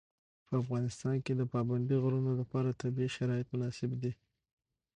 په افغانستان کې د پابندی غرونه لپاره طبیعي شرایط مناسب دي.